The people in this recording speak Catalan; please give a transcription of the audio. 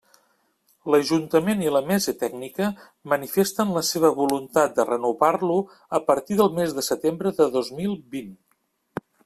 L'Ajuntament i la Mesa Tècnica, manifesten la seva voluntat de renovar-lo a partir del mes de setembre de dos mil vint.